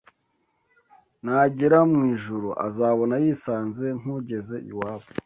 nagera mu ijuru, azabona yisanze nk’ugeze iwabo.